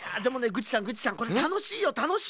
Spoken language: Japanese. グッチさんグッチさんこれたのしいよたのしい！